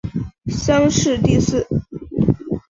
乡试第四。